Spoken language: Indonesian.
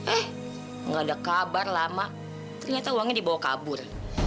eh nggak ada kabar lama ternyata uangnya dibawa kabur